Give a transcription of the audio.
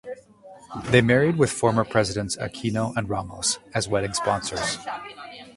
They married with former Presidents Aquino and Ramos as wedding sponsors.